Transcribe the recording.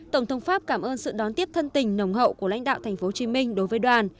tổng thống pháp cảm ơn sự đón tiếp thân tình nồng hậu của lãnh đạo tp hcm đối với đoàn